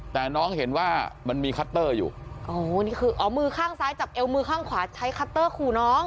แต่น้องเห็นว่ามันมีคัตเตอร์อยู่อ๋อนี่คืออ๋อมือข้างซ้ายจับเอวมือข้างขวาใช้คัตเตอร์ขู่น้อง